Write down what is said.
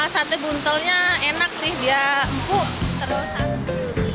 sate buntelnya enak sih dia empuk